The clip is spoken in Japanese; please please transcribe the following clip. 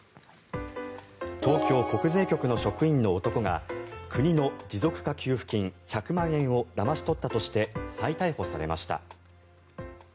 東京国税局の職員の男が国の持続化給付金１００万円をだまし取ったとして再逮捕されました。